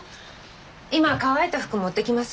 今乾いた服持ってきます。